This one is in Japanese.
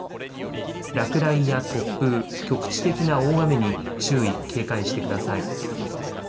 落雷や突風、局地的な大雨に注意、警戒してください。